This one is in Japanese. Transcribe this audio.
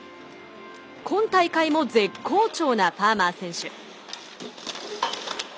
今大会も絶好調なファーマー選手。